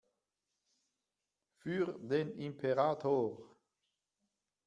Für den Imperator!